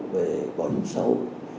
về bỏ dụng sâu